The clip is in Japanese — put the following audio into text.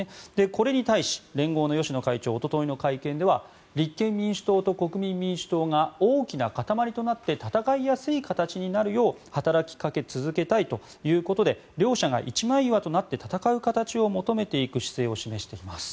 これに対し連合の芳野会長おとといの会見では立憲民主党と国民民主党が大きな塊となって闘いやすい形になるよう働きかけ続けたいということで両者が一枚岩となって闘う形を求めていく姿勢を示しています。